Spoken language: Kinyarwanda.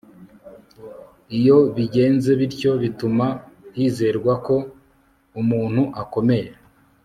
iyo bigenze bityo bituma hizerwako umuntu akomeye